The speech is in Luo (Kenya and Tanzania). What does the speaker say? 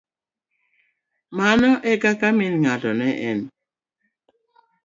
Mano ekaka min ng'ato ne en.